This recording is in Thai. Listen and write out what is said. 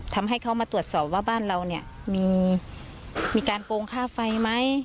ทำให้เขามาตรวจสอบว่าบ้านเราเนี่ยมีการโกงค่าไฟไหม